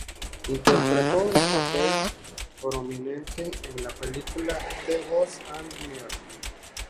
Interpretó un papel prominente en la película "The Ghost and Mr.